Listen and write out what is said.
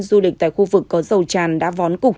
du lịch tại khu vực có dầu tràn đã vón cục